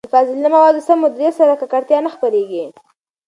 د فاضله موادو سم مديريت سره، ککړتيا نه خپرېږي.